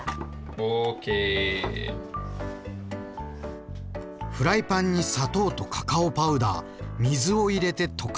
ＯＫ．フライパンに砂糖とカカオパウダー水を入れて溶かします。